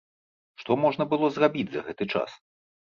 Што можна было зрабіць за гэты час?